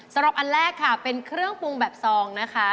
สำหรับอันแรกค่ะเป็นเครื่องปรุงแบบซองนะคะ